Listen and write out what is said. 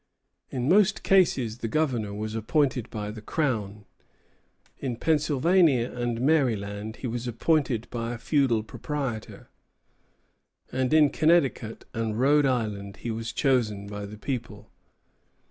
In most cases the governor was appointed by the Crown; in Pennsylvania and Maryland he was appointed by a feudal proprietor, and in Connecticut and Rhode Island he was chosen by the people.